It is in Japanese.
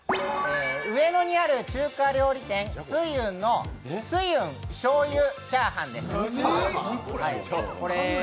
上野にある中華料理店翠雲の翠雲醤油チャーハンです。